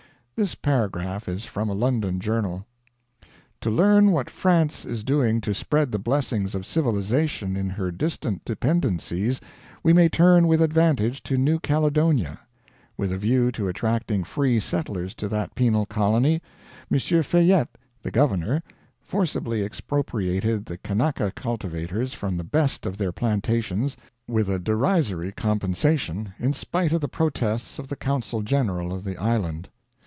This paragraph is from a London journal: "To learn what France is doing to spread the blessings of civilization in her distant dependencies we may turn with advantage to New Caledonia. With a view to attracting free settlers to that penal colony, M. Feillet, the Governor, forcibly expropriated the Kanaka cultivators from the best of their plantations, with a derisory compensation, in spite of the protests of the Council General of the island.